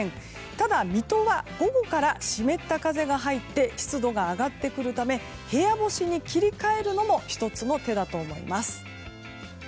ただ、水戸は午後から湿った風が入って湿度が上がってくるため部屋干しに切り替えるのも１つの手だと思います。